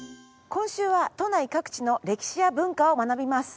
今週は都内各地の歴史や文化を学びます。